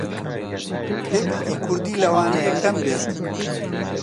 تێکستی کووردی لەوانەیە کەم بێت